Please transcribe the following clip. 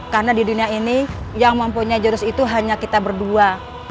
karena di dunia ini yang mempunyai jurus itu hanya kita berdua